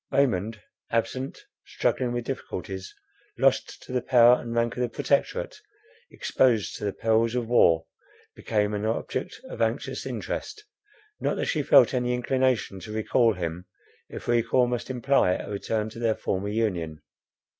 Raymond absent, struggling with difficulties, lost to the power and rank of the Protectorate, exposed to the perils of war, became an object of anxious interest; not that she felt any inclination to recall him, if recall must imply a return to their former union.